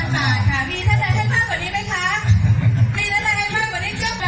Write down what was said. ๕๐๐๐บาทค่ะมีตะตาเช่นมากกว่านี้ไหมคะ